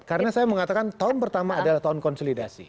karena saya mengatakan tahun pertama adalah tahun konsolidasi